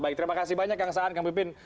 baik terima kasih banyak kang saan kang pipin